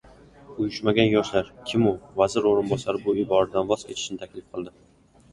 «Uyushmagan yoshlar», kim u? Vazir o‘rinbosari bu iboradan voz kechishni taklif qildi